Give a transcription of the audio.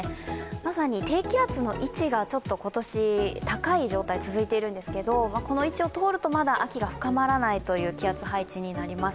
まさに低気圧の位置が今年、高い状態が続いているんですけれどもこの位置を通るとまだ秋が深まらないという気圧配置になります。